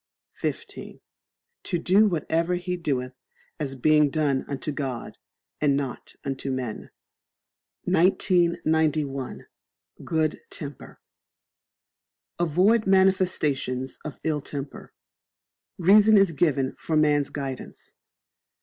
xv. To do whatever he doeth as being done unto God, and not unto men. 1991. Good Temper. Avoid Manifestations of Ill temper. Reason is given for man's guidance.